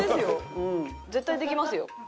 絶対できますよ。